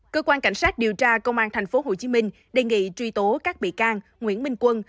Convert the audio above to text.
cơ quan cảnh sát điều tra công an tp hcm đề nghị truy tố các bị can nguyễn minh quân